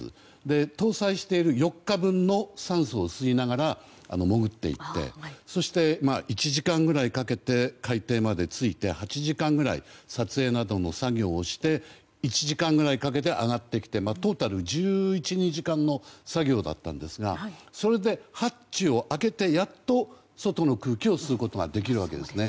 搭載している４日分の酸素を吸いながら潜っていってそして１時間ぐらいかけて海底に着いて８時間ぐらい撮影などの作業をして１時間くらいかけて上がってきてトータル１１１２時間の作業でしたがそれでハッチを開けてやっと外の空気を吸うことができるわけですね。